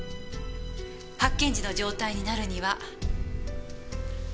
発見時の状態になるには。